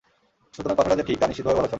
সুতরাং কথাটা যে সঠিক, তা নিশ্চিতভাবে বলা চলে।